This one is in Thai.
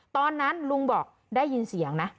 ตอนนั้นลุงบอกได้ยินเสียงนะ